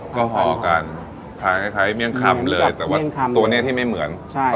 ก็พอกันทานคล้ายเมี่ยงคำเลยแต่ว่าตัวนี้ที่ไม่เหมือนใช่